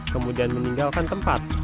kemudian meninggalkan tempat